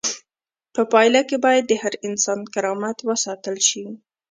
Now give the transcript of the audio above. په پایله کې باید د هر انسان کرامت وساتل شي.